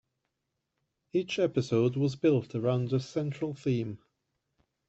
Each episode was built around a central theme.